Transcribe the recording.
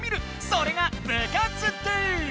それが部活ＤＯ！